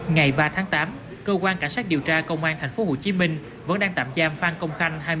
ngày ba tháng tám cơ quan cảnh sát điều tra công an tp hcm vẫn đang tạm giam phan công khanh